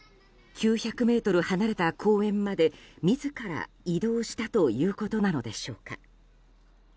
９００ｍ離れた公園まで自ら移動したということなのでしょうか。